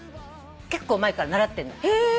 結構前から習ってんの。